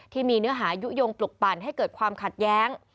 ที่มีเนื้อหายุโยงปลุกปั่นให้เกิดความขัดแย้ง